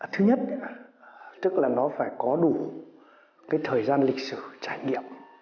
thứ nhất tức là nó phải có đủ cái thời gian lịch sử trải nghiệm